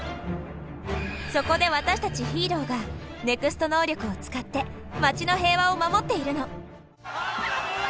そこで私たちヒーローがＮＥＸＴ能力を使って街の平和を守っているの。